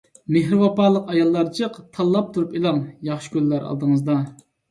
مېھرى ۋاپالىق ئاياللار جىق. تاللاپ تۇرۇپ ئېلىڭ! ياخشى كۈنلەر ئالدىڭىزدا.